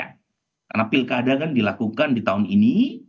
karena pilkada kan dilakukan di tahun ini